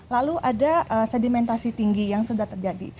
lalu ada sedimentasi tinggi yang sudah terjadi